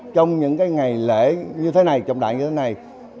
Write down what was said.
trong những ngày lễ như thế này trọng đại như thế này